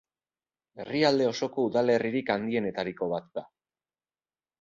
Herrialde osoko udalerririk handienetariko bat da.